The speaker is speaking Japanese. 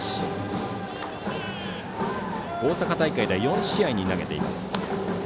大阪大会では４試合に投げています。